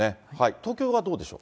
東京はどうでしょう？